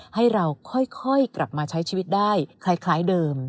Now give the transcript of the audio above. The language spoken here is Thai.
ให้เราค่อยกลับมาใช้ชีวิตได้คล้ายเดิม